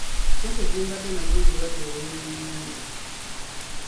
Ssente ze mbadde nazo nziwadde ow'ebyennyanja.